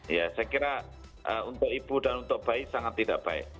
ya saya kira untuk ibu dan untuk bayi sangat tidak baik